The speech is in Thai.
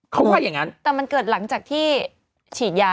เขาว่าอย่างนั้นแต่มันเกิดหลังจากที่ฉีดยา